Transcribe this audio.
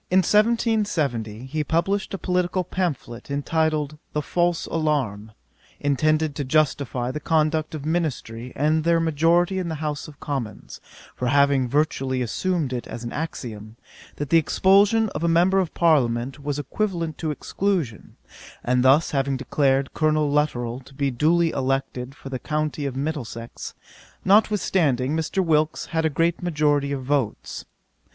1770: ÃTAT. 61. In 1770 he published a political pamphlet, entitled The False Alarm, intended to justify the conduct of ministry and their majority in the House of Commons, for having virtually assumed it as an axiom, that the expulsion of a Member of Parliament was equivalent to exclusion, and thus having declared Colonel Lutterel to be duly elected for the county of Middlesex, notwithstanding Mr. Wilkes had a great majority of votes.